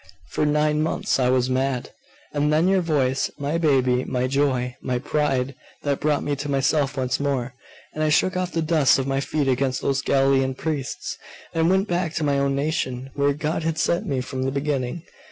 For nine months I was mad. And then your voice, my baby, my joy, my pride that brought me to myself once more! And I shook off the dust of my feet against those Galilean priests, and went back to my own nation, where God had set me from the beginning.